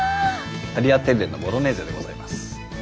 タリアテッレのボロネーゼでございます。